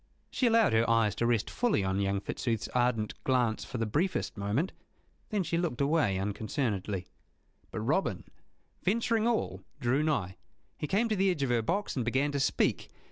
She allowed her eyes to rest fully on young Fitzooth's ardent glance for the briefest moment. Then she looked away unconcernedly. But Robin, venturing all, drew nigh. He came to the edge of her box, and began to speak.